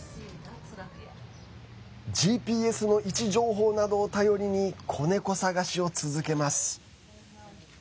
ＧＰＳの位置情報などを頼りに子猫探しを続けます。